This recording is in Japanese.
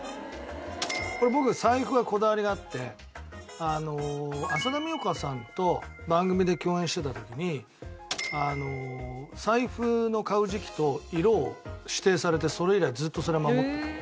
これ僕財布はこだわりがあって浅田美代子さんと番組で共演してた時に財布の買う時期と色を指定されてそれ以来ずっとそれを守ってるの。